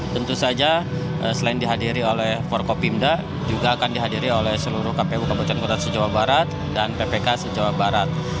tentu saja selain dihadiri oleh forkopimda juga akan dihadiri oleh seluruh kpu kabupaten kota se jawa barat dan ppk se jawa barat